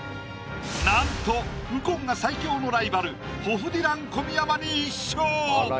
なんと右近が最強のライバル「ホフディラン」・小宮山に１勝！